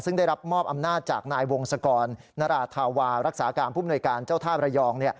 ซึ่งได้รับมอบอำนาจจากนายวงศกรนราธาวารักษาการผู้มนวยการเจ้าท่าระยอง